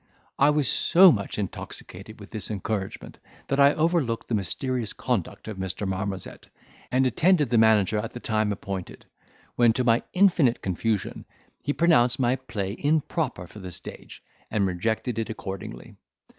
I was so much intoxicated with this encouragement, that I overlooked the mysterious conduct of Mr. Marmozet, and attended the manager at the time appointed, when, to my infinite confusion, he pronounced my play improper for the stage, and rejected it accordingly.